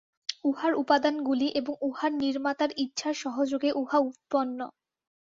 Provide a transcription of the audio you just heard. উহার উপাদানগুলি এবং উহার নির্মাতার ইচ্ছার সহযোগে উহা উৎপন্ন।